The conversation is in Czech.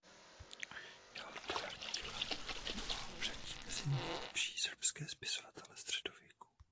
Jeho literární díla ho řadí mezi nejlepší srbské spisovatele středověku.